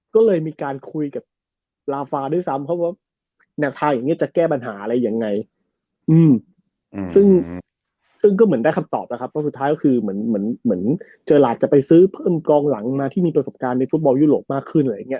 สุดท้ายก็คือเหมือนเหมือนเจอร์หลาดจะไปซื้อเพื่อนกองหลังมาที่มีประสบการณ์ในฟุตบอลยุโรปมากขึ้นอะไรอย่างเงี้ย